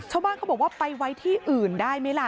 ชาวบ้านเขาบอกว่าไปไว้ที่อื่นได้ไหมล่ะ